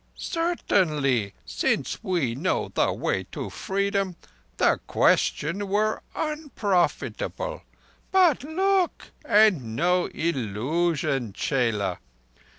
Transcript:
Certainly, since we know the way to Freedom, the question were unprofitable, but—look, and know illusion, _chela!